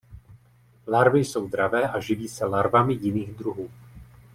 Larvy jsou dravé a živí se larvami jiných druhů.